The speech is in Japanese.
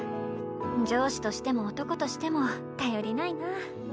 上司としても男としても頼りないな。